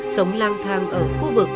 sống lang thang ở khu vực